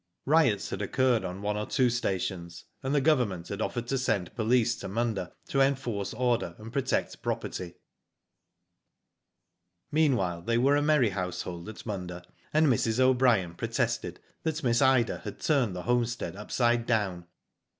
Riots had occurred on one or two stations, and the Government had offered to send police to Munda, to enforce order, and protect property. Digitized by Google 92 WHO DID ITf Meanwhile they were a merry household at Munda, and Mrs. O'Brien protested that Miss Ida had turned the homestead upside down.